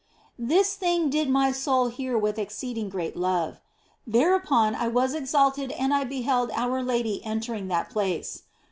This thing did my soul hear with exceeding great love ; thereupon it was exalted and I beheld our Lady entering that place.